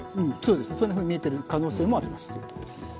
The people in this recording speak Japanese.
そんなふうに見えている可能性もあるということです。